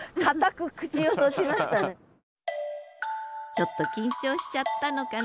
ちょっと緊張しちゃったのかな